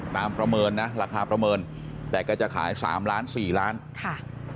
ประเมินนะราคาประเมินแต่ก็จะขายสามล้านสี่ล้านค่ะ